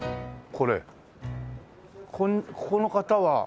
こんここの方は？